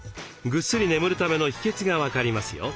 ぐっすり眠るための秘けつが分かりますよ。